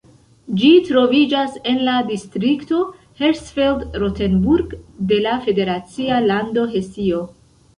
Ĝi troviĝas en la distrikto Hersfeld-Rotenburg de la federacia lando Hesio.